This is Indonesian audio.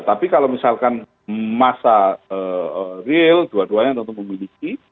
tapi kalau misalkan masa real dua duanya tentu memiliki